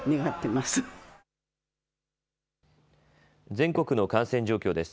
全国の感染状況です。